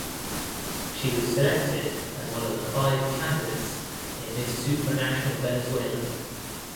She was selected as one of the five candidates in Miss Supranational Venezuela.